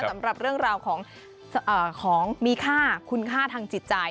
สำหรับเรื่องราวของมีค่าคุณค่าทางจิตใจ